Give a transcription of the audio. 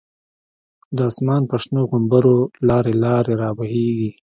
د آسمان په شنو غومبرو، لاری لاری را بهیږی